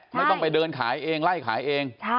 ไม่ต้องไปเดินขายเองไล่ขายเอง